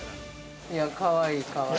◆かわいい、かわいい。